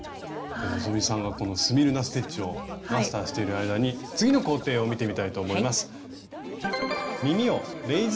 希さんがこのスミルナ・ステッチをマスターしている間に次の工程を見てみたいと思います。